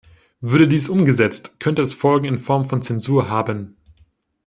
Würde dies umgesetzt, könnte es Folgen in Form von Zensur haben.